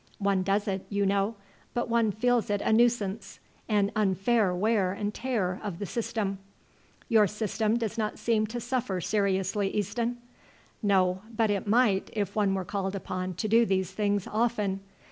One does it, you know, but one feels it a nuisance an unfair wear and tear of the system." "Your system does not seem to suffer seriously, Easton." "No; but it might if one were called upon to do these things often.